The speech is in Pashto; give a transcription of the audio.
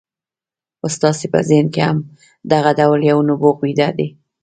ستاسې په ذهن کې هم دغه ډول یو نبوغ ویده دی